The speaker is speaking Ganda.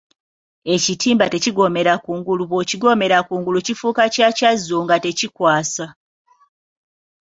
Ekitimba tekigomera kungulu bw'okigomera kungulu kifuuka kya kyazo nga tekikwasa.